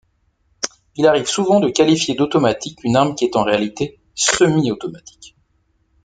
Il arrive souvent de qualifier d'automatique une arme qui est en réalité semi-automatique.